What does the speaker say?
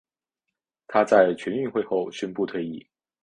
她在全运会后宣布退役。